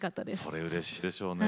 それうれしいでしょうね。